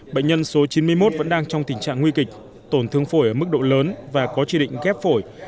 bệnh nhân số chín mươi một vẫn đang trong tình trạng nguy kịch tổn thương phổi ở mức độ lớn và có chỉ định ghép phổi